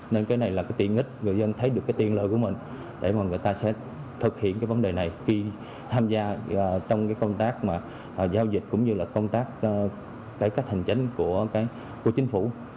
nên cái này là cái tiện ích người dân thấy được cái tiền lợi của mình để mà người ta sẽ thực hiện cái vấn đề này khi tham gia trong cái công tác mà giao dịch cũng như là công tác cải cách hành chính của chính phủ